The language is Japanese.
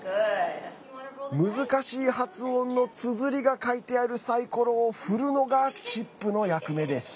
難しい発音のつづりが書いてあるサイコロを振るのがチップの役目です。